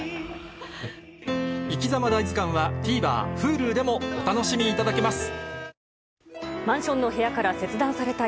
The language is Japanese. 『いきざま大図鑑』はＴＶｅｒＨｕｌｕでもお楽しみいただけます